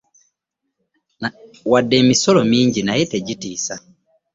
Wadde emisolo mingi naye tegitiisa.